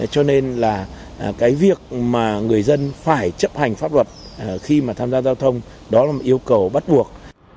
cho nên là cái việc mà người dân phải chấp hành pháp luật khi mà tham gia giao thông đó là một yêu cầu bắt buộc